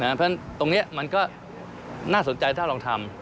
เพราะฉะนั้นตรงนี้มันก็น่าสนใจถ้าลองทำ